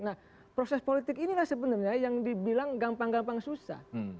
nah proses politik inilah sebenarnya yang dibilang gampang gampang susah